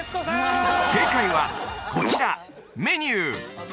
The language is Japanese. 正解はこちら「メニュー」